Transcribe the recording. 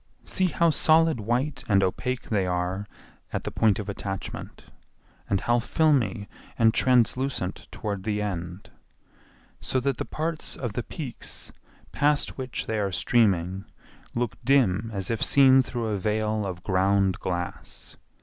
See how solid white and opaque they are at the point of attachment and how filmy and translucent toward the end, so that the parts of the peaks past which they are streaming look dim as if seen through a veil of ground glass.